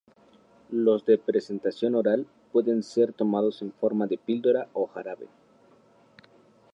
Los de presentación oral pueden ser tomados en forma de píldora o jarabe.